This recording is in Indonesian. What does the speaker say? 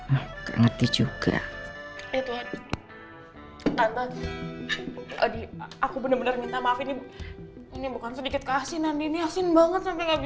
aku gak tau kamu ada apa gak